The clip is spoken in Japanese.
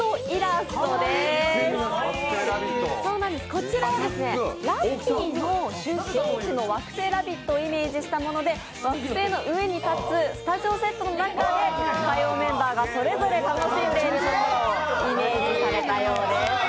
こちらはラッピーの出身地の惑星ラヴィットをイメージしたもので惑星の上に立つスタジオセットの中で火曜メンバーがそれぞれ楽しんでいるところをイメージされたようです。